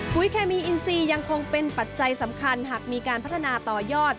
เคมีอินซียังคงเป็นปัจจัยสำคัญหากมีการพัฒนาต่อยอด